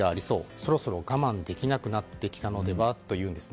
そろそろ我慢できなくなってきたのではというんです。